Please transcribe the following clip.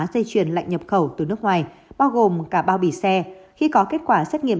dây chuyển lạnh nhập khẩu từ nước ngoài bao gồm cả bao bì xe khi có kết quả xét nghiệm